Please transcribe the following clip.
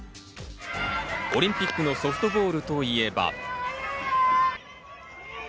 オリンピックのソフトボールといえば。